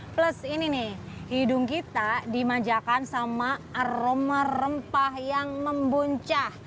plus ini nih hidung kita dimanjakan sama aroma rempah yang membuncah